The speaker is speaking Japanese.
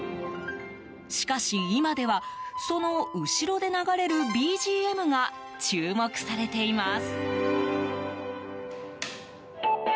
しかし今ではその後ろで流れるＢＧＭが注目されています。